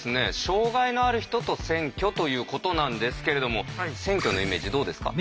障害のある人と選挙ということなんですけれども選挙のイメージどうですか？